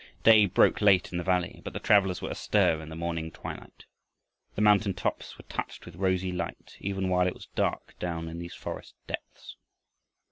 Day broke late in the valley, but the travelers were astir in the morning twilight. The mountain tops were touched with rosy light even while it was dark down in these forest depths.